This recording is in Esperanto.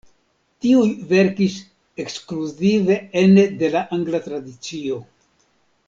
Tiuj verkis ekskluzive ene de la angla tradicio.